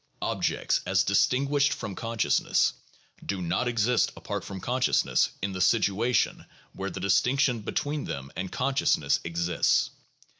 Objects as distinguished from consciousness do not exist apart from consciousness in the situation where the distinction between them and consciousness exists.